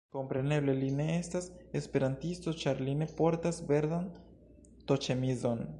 Kompreneble li ne estas esperantisto ĉar li ne portas verdan t-ĉemizon.